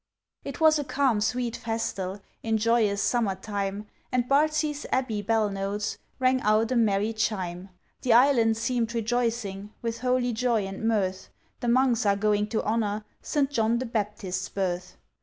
It was a calm sweet festal, In joyous, summer time, And Bardsey's Abbey bell notes Rang out a merry chime. The Island seem'd rejoicing, With holy joy and mirth, The Monks are going to honour St. John the Baptist's birth.